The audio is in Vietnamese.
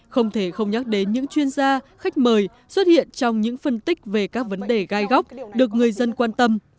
không thể không nhắc đến những chuyên gia khách mời xuất hiện trong những phân tích về các vấn đề gai góc được người dân quan tâm